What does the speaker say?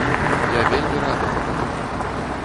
Я вельмі рады гэтаму.